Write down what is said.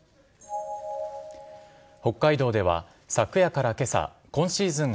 北海道では昨夜から今朝今シーズン